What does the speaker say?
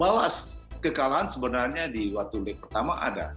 balas kekalahan sebenarnya di waktu leg pertama ada